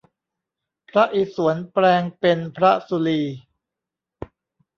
พระอิศวรแปลงเป็นพระศุลี